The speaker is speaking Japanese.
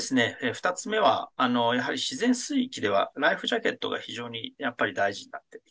２つ目はやはり自然水域ではライフジャケットが非常に大事になってきますね。